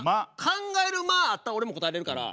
考える間あったら俺も答えれるから。